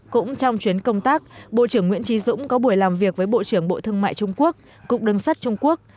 cũng trong chuyến công tác bộ trưởng nguyễn trí dũng có buổi làm việc với bộ trưởng bộ thương mại trung quốc cục đường sắt trung quốc